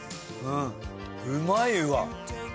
うんうまいわ。